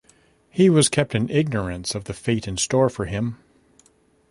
He was kept in ignorance of the fate in store for him.